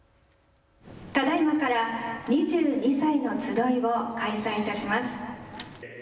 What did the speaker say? ただいまから２２歳のつどいを開催いたします。